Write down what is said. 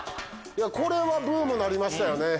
これはブームになりましたよね。